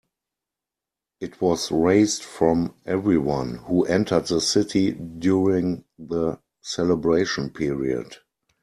It was raised from everyone who entered the city during the celebration period.